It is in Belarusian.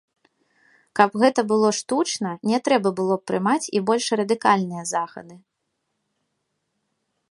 Каб гэта было штучна, не трэба было б прымаць і больш радыкальныя захады.